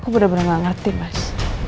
aku bener bener nggak ngerti mas